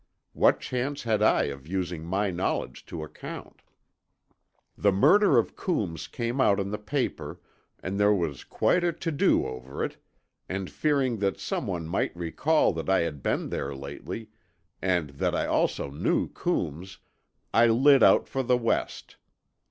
What chance had I of using my knowledge to account? "The murder of Coombs came out in the paper, and there was quite a to do over it, and fearing that someone might recall that I had been there lately, and that I also knew Coombs, I lit out for the West.